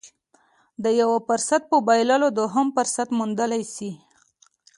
د يوه فرصت په بايللو دوهم فرصت موندلی شي.